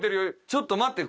ちょっと待って。